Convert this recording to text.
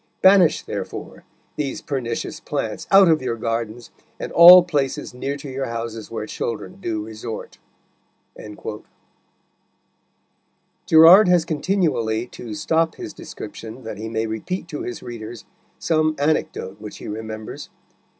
Banish, therefore, these pernicious plants out of your gardens, and all places near to your houses where children do resort." Gerard has continually to stop his description that he may repeat to his readers some anecdote which he remembers.